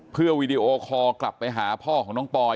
เพื่อวีดีโอคอลกลับไปหาพ่อของน้องปอย